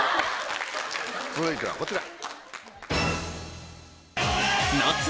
続いてはこちら。